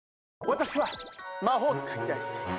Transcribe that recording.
私は魔法使いだいすけ。